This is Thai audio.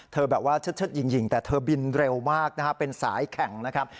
แบบว่าเชิดยิงแต่เธอบินเร็วมากนะครับเป็นสายแข่งนะครับ